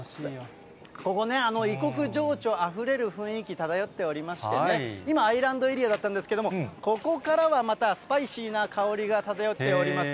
ここね、異国情緒あふれる雰囲気漂っておりましてね、今、アイランドエリアだったんですけど、ここからはまたスパイシーな香りが漂っております。